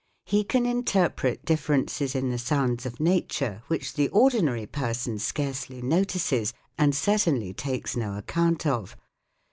He can interpret differences in the sounds of nature which the ordinary person scarcely notices, and certainly takes no account of.